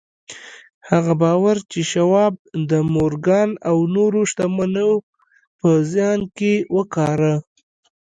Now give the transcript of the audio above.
هغه باور چې شواب د مورګان او نورو شتمنو په ذهنونو کې وکاره.